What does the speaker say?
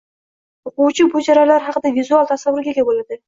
O‘quvchi bu jarayonlar haqida vizual tasavvurga ega bo‘ladi.